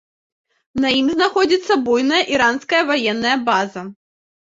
На ім знаходзіцца буйная іранская ваенная база.